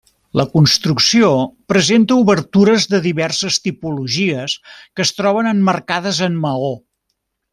La construcció presenta obertures de diverses tipologies que es troben emmarcades en maó.